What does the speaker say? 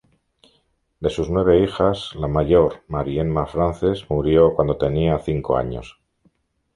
De sus nueve hijas, la mayor Mary Emma Frances murió cuando tenía cinco años.